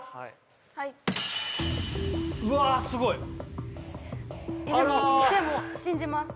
はいうわすごい・でも信じます